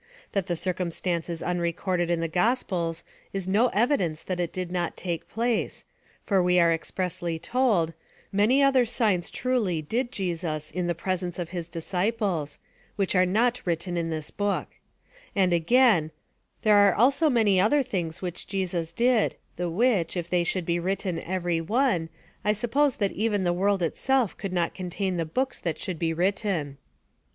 That the circumstance is unrecorded in the Gospels is no evidence that it did not take place, for we are expressly told, "Many other signs truly did Jesus in the presence of His disciples, which are not written in this book;" and again, "There are also many other things which Jesus did, the which, if they should be written every one, I suppose that even the world itself could not contain the books that should be written."